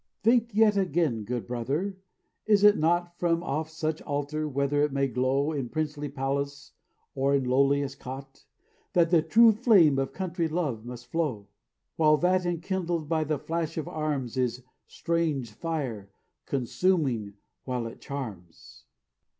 "Think yet again, good brother, is it not From off such altar, whether it may glow In princely palace or in lowliest cot, That the true flame of country love must flow? While that enkindled by the flash of arms Is a 'strange fire,' consuming while it charms.